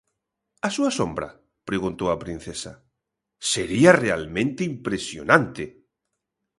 A súa sombra? preguntou a princesa. ¡Sería realmente impresionante!